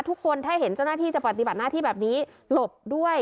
ทุกคนถ้าเห็นเจ้าหน้าที่จะปฏิบัติหน้าที่แบบนี้หลบด้วย